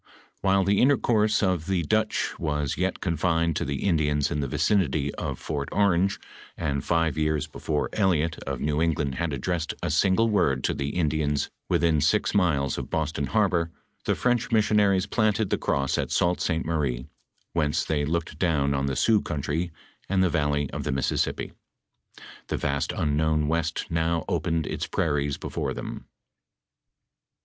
While the inter course of the Dutch was yet confined to the Indians in the vicinity of Fort Orange, and five years before Elliott of New England had addressed a single word to the Indians within six miles of Boston harbor the French missionaries planted the cross at Sault Ste. Marie, whence they looked down on the Sioux country and the valley of the Mississippi. The vast unknown west now opened its prairies before them.